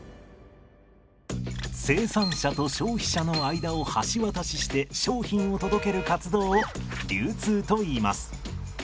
生産者と消費者の間を橋渡しして商品を届ける活動を流通といいます。